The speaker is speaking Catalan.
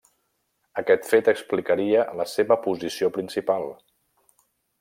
Aquest fet explicaria la seva posició principal.